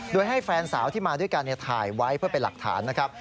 โดยให้แฟนสาวที่มาด้วยกันถ่ายไว้เพื่อเป็นหลักฐานนะครับ